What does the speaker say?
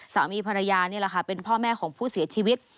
สามีภรรยานี่แหละค่ะเป็นพ่อแม่ของผู้เสียชีวิต